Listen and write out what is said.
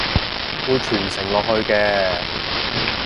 會傳承落去嘅！